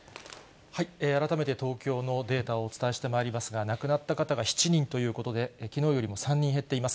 改めて、東京のデータをお伝えしてまいりますが、亡くなった方が７人ということで、きのうよりも３人減っています。